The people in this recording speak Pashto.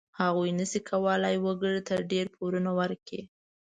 هغوی نشي کولای وګړو ته ډېر پورونه ورکړي.